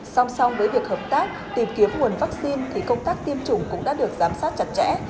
song song với việc hợp tác tìm kiếm nguồn vaccine thì công tác tiêm chủng cũng đã được giám sát chặt chẽ